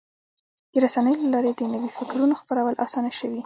د رسنیو له لارې د نوي فکرونو خپرېدل اسانه شوي.